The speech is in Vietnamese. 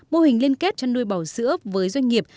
mô hình liên kết chăn nuôi bò sữa với doanh nghiệp